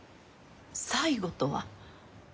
「最後」とは？